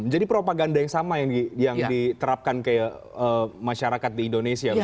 jadi propaganda yang sama yang diterapkan ke masyarakat di indonesia begitu